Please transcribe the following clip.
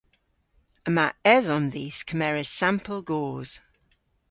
Yma edhom dhis kemeres sampel goos.